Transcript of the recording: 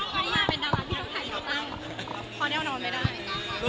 ขอรับนะคะเดี๋ยวกล่องไปถ่ายรูป